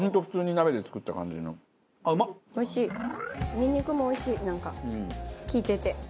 ニンニクもおいしいなんか利いてて。